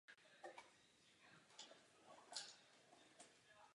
První dva celky v konečné tabulce pak sehrály vlastní finále.